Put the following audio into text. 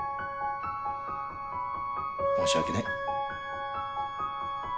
申し訳ない。